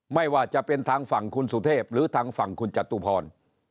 ไม่ว่าจะเป็นทางฝั่งคุณสุเทพหรือทางฝั่งคุณจตุพร